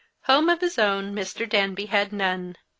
Home of his own Mr. Danby had none.